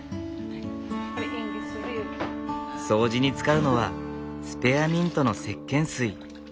掃除に使うのはスペアミントのせっけん水。